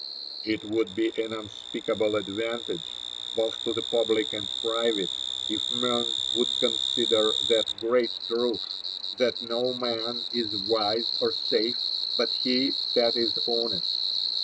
'It would be an unspeakable advantage, both to the public and private, if men would consider that great truth, that no man is wise or safe but he that is honest.